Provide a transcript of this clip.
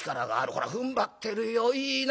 ほらふんばってるよ。いいな。